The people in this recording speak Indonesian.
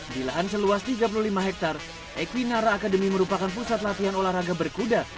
di lahan seluas tiga puluh lima hektare equinara academy merupakan pusat latihan olahraga berkuda